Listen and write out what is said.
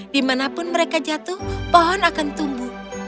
dimana pun mereka jatuh pohon akan tumbuh